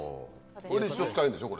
これで一生使えるんでしょ？